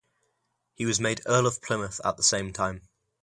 He was made Earl of Plymouth at the same time.